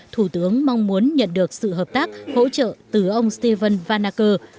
thủ tướng mong muốn nhận được sự hợp tác hỗ trợ từ ông stephen van acker